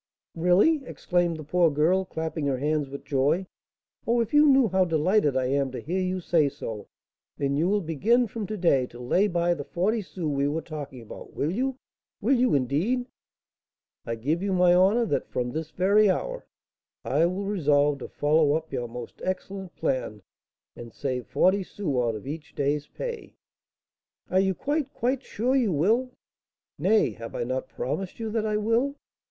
"Really!" exclaimed the poor girl, clapping her hands with joy. "Oh, if you knew how delighted I am to hear you say so! Then you will begin from to day to lay by the forty sous we were talking about, will you? Will you, indeed?" "I give you my honour that, from this very hour, I will resolve to follow up your most excellent plan, and save forty sous out of each day's pay." "Are you quite, quite sure you will?" "Nay, have I not promised you that I will?"